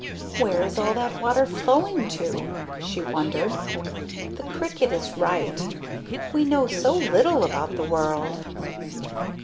"Where is all that water flowing to?" she wondered. "The cricket is right. We know so little about the world."